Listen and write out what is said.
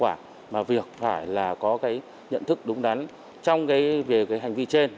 đã thiệu quả mà việc phải là có cái nhận thức đúng đắn trong cái về cái hành vi trên